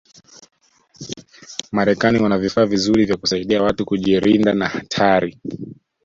marekani wana vifaa vizuri vya kusaidi watu kujirinda na hatari